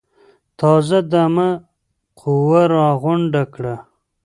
تازه دمه قوه راغونډه کړه.